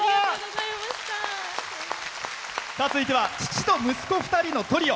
続いては父と息子２人のトリオ。